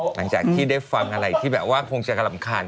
หลังจากที่ได้ฟังอะไรที่คงจะกะลำคาญ